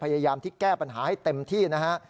พยายามที่แก้ปัญหาให้เต็มที่นะฮะ